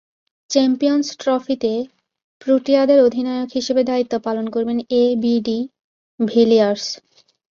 Champions ট্রফিতে প্রোটিয়াদের অধিনায়ক হিসেবে দায়িত্ব পালন করবেন এবি ডি ভিলিয়ার্স।